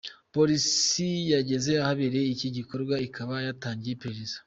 Polisi yageze ahabereye iki gikorwa ikaba yatangiye iperereza.